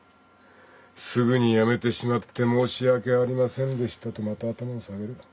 すぐに辞めてしまって申し訳ありませんでしたとまた頭を下げる。